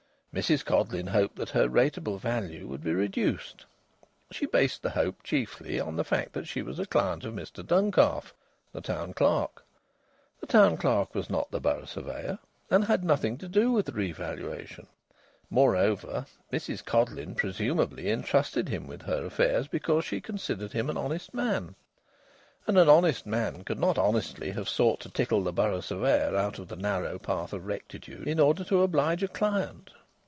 Mrs Codleyn hoped that her rateable value would be reduced. She based the hope chiefly on the fact that she was a client of Mr Duncalf, the Town Clerk. The Town Clerk was not the Borough Surveyor and had nothing to do with the revaluation. Moreover, Mrs Codleyn presumably entrusted him with her affairs because she considered him an honest man, and an honest man could not honestly have sought to tickle the Borough Surveyor out of the narrow path of rectitude in order to oblige a client.